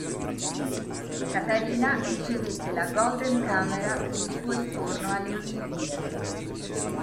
Katarina ricevette la Golden Camera per il suo ritorno alle Olimpiadi.